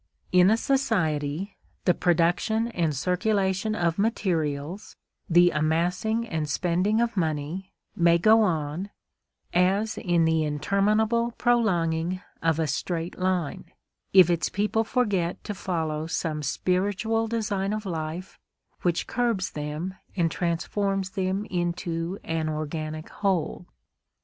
In a society, the production and circulation of materials, the amassing and spending of money, may go on, as in the interminable prolonging of a straight line, if its people forget to follow some spiritual design of life which curbs them and transforms them into an organic whole.